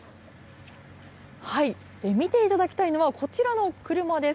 見ていただきたいのは、こちらの車です。